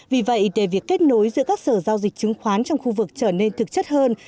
vì vậy để việc kết nối giữa các sở giao dịch chứng khoán trong khu vực trở nên thực chất hơn